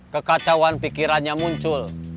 kekacauan pikirannya muncul